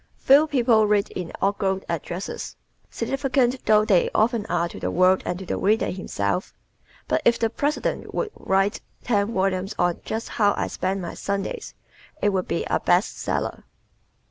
Few people read inaugural addresses, significant though they often are to the world and to the reader himself. But if the President would write ten volumes on "Just How I Spend My Sundays," it would be a "best seller."